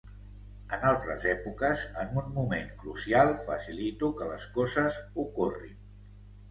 En altres èpoques, en un moment crucial, facilito que les coses ocorrin.